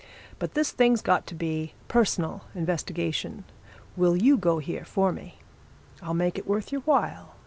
But this thing's got to be personal investigation will you go here, for me? I'll make it worth your while.